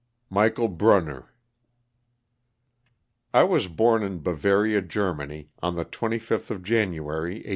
MICHAEL BRUNNER. T WAS born in Bavaria, Germany, on the 25th of ^ January, 1841.